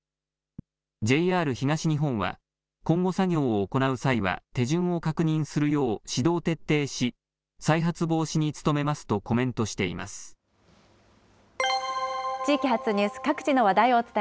ＪＲ東日本は、今後、作業を行う際は、手順を確認するよう指導徹底し、再発防止に努め地域発ニュース、各地の話題